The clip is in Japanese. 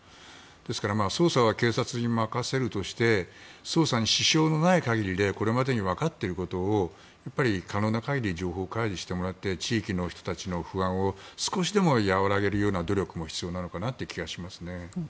ですから捜査は警察に任せるとして捜査に支障のない限りでこれまでにわかっていることを可能な限り情報開示してもらって地域の人たちの不安を少しでも和らげるような努力も必要なのかなという気がします。